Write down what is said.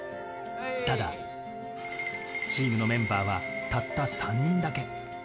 ただ、チームのメンバーはたった３人だけ。